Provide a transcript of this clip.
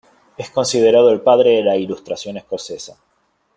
Es considerado el padre de la Ilustración Escocesa.